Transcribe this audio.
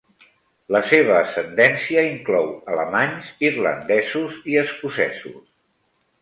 La seva ascendència inclou alemanys, irlandesos i escocesos.